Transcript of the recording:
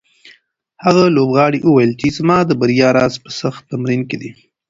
هغه لوبغاړی وویل چې زما د بریا راز په سخت تمرین کې دی.